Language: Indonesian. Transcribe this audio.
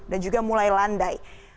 dan juga mulai landai